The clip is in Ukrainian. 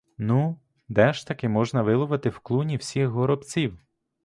Ну, де ж таки можна виловити в клуні всіх горобців?